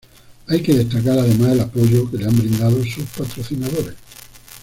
Hay que destacar además el apoyo que le han brindado sus patrocinadores.